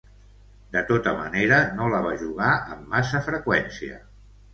De tota manera, no la va jugar amb massa freqüència.